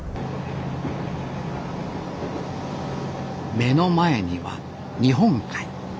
目の前には日本海。